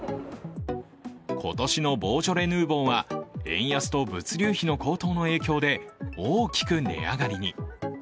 今年のボージョレ・ヌーボーは円安と物流費の高騰の影響で大きく値上がりに。